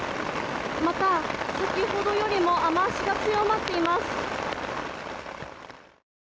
また、先ほどよりも雨脚が強まっています。